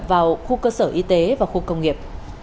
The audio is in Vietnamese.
vào khu cơ sở y tế và khu công nghiệp